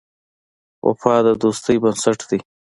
وفا د دوستۍ بنسټ دی.